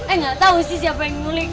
eh gak tau sih siapa yang muling